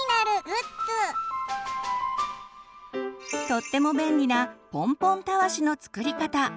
とっても便利なポンポンたわしの作り方。